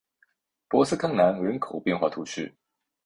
博斯康南人口变化图示